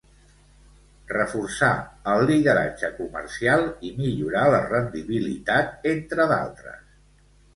Reforçar el lideratge comercial i millorar la rendibilitat, entre d'altres.